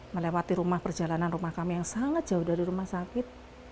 melewati rumah perjalanan rumah kami yang sangat jauh dari rumah sakit